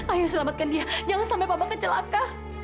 ayo selamatkan dia jangan sampai bapak kecelakaan